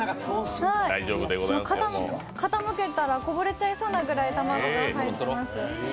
傾けたらこぼれちゃいそうなぐらい卵が入ってます。